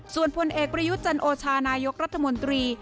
ส่วนพลเอกประยุทธ์จันโอชานายกรัฐมนตรี